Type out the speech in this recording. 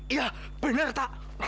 iya bener tak